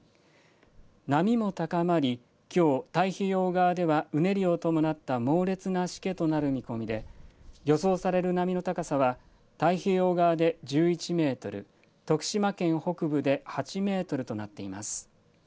波も高まり、きょう太平洋側ではうねりを伴った猛烈なしけとなる見込みで予想される波の高さは太平洋側で１１メートル、徳島県北部で８メートルとなっています。